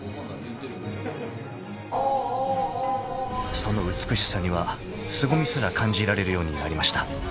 ［その美しさにはすごみすら感じられるようになりました］